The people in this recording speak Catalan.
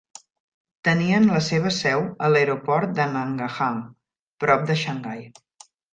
Tenien la seva seu a l'aeroport de Nangahang, prop de Xangai.